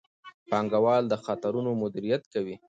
پانګوال د خطرونو مدیریت کوي.